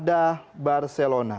di peringkat keempat ada barcelona